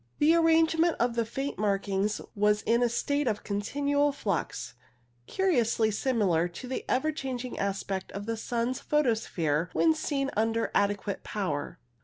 The arrangement of the faint markings was in a state of continual flux, curiously similar to the ever changing aspect of the sun's photosphere when seen under adequate power.